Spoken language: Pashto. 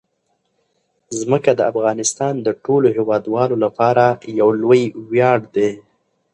ځمکه د افغانستان د ټولو هیوادوالو لپاره یو لوی ویاړ دی.